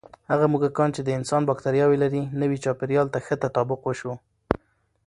هغه موږکان چې د انسان بکتریاوې لري، نوي چاپېریال ته ښه تطابق شو.